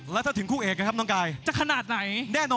แล้วถ้าถึงคู่เอกน่าไงจะขนาดไหน